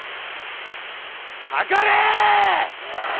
かかれ！